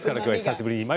久しぶりに。